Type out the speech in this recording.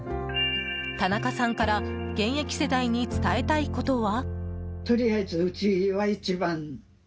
田中さんから現役世代に伝えたいことは？